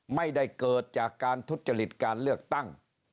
ไม่ได้เกิดจากการทุจริตการเลือกตั้ง